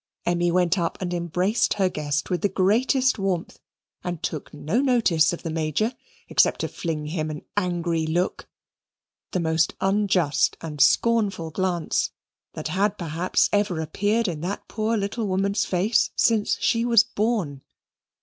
Emmy went up and embraced her guest with the greatest warmth, and took no notice of the Major, except to fling him an angry look the most unjust and scornful glance that had perhaps ever appeared in that poor little woman's face since she was born.